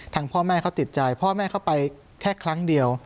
พ่อแม่เขาติดใจพ่อแม่เขาไปแค่ครั้งเดียว